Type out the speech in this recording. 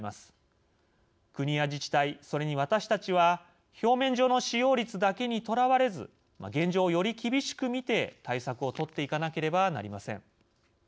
国や自治体それに私たちは表面上の使用率だけにとらわれず現状をより厳しく見て対策を取っていかなければなりません。